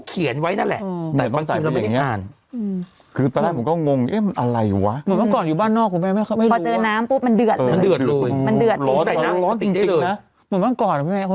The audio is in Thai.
เดี๋ยวนี้ตุ๊กวันอ่ะเกือบทุกแบรนด์มันจะมีถุงทำความร้อนกันหมดแล้ว